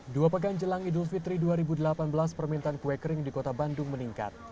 dua pekan jelang idul fitri dua ribu delapan belas permintaan kue kering di kota bandung meningkat